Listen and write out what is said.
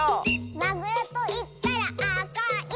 「まぐろといったらあかい！」